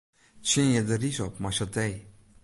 Tsjinje de rys op mei satee.